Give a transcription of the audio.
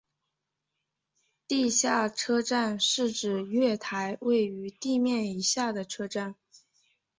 地下车站是指月台位于地面以下的车站。